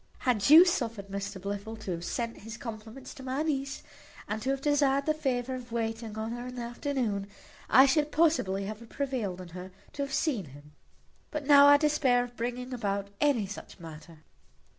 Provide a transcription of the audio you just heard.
Had you suffered Mr Blifil to have sent his compliments to my niece, and to have desired the favour of waiting on her in the afternoon, I should possibly have prevailed on her to have seen him; but now I despair of bringing about any such matter."